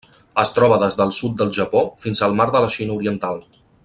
Es troba des del sud del Japó fins al Mar de la Xina Oriental.